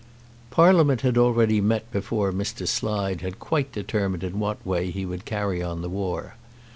Parliament had already met before Mr. Slide had quite determined in what way he would carry on the war.